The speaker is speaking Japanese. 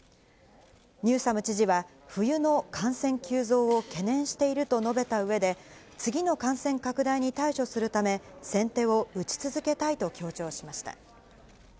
ニューサム知事は、冬の感染急増を懸念していると述べたうえで、次の感染拡大に対処するため、先手を打ち続けたいと強調しました。